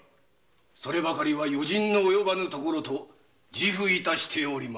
そればかりは余人の及ばぬところと自負致しております。